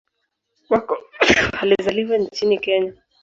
Wako alizaliwa nchini Kenya.